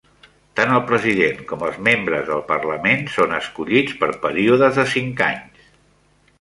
Tant el president com els membres del Parlament són escollits per períodes de cinc anys.